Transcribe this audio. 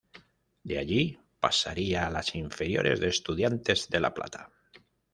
De allí pasaría a las inferiores de Estudiantes de La Plata.